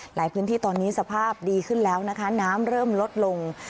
หลายพื้นที่ตอนนี้สภาพดีขึ้นแล้วนะคะน้ำเริ่มลดลง